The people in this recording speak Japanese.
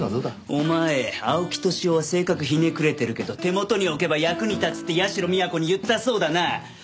お前「青木年男は性格ひねくれてるけど手元に置けば役に立つ」って社美彌子に言ったそうだな？